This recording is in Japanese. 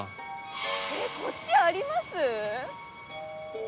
えっこっちあります？